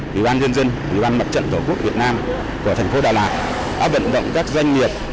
ủy ban nhân dân ủy ban mặt trận tổ quốc việt nam của thành phố đà lạt đã vận động các doanh nghiệp